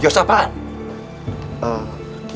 yo yo sampai besok